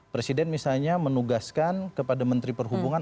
presiden misalnya menugaskan kepada menteri perhubungan